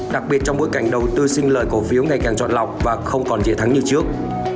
đặc biệt trong bối cảnh đầu tư sinh lợi cổ phiếu ngày càng trọn lọc và không còn dễ thắng như trước